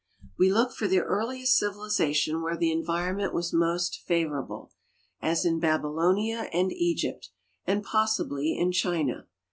We look for the earliest civilization where the environment was most favorable, as in Babylonia and Egypt, and j)Ossibly in China.